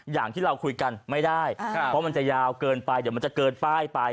อย่างที่เราคุยกันไม่ได้เพราะมันจะยาวเกินไปเดี๋ยวมันจะเกินป้ายไป